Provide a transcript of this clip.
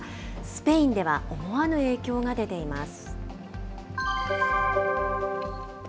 スペインでは思わぬ影響が出ています。